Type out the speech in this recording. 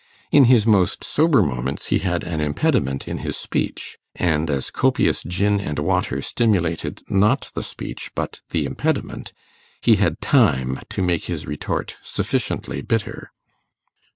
In his most sober moments he had an impediment in his speech, and as copious gin and water stimulated not the speech but the impediment, he had time to make his retort sufficiently bitter.